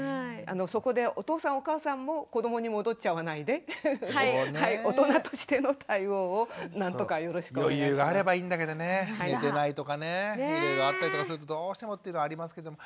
そこでお父さんお母さんも子どもに戻っちゃわないで余裕があればいいんだけどね寝てないとかねいろいろあったりとかするとどうしてもっていうのありますけども。